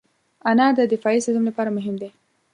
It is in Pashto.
انار د دفاعي سیستم لپاره مهم دی.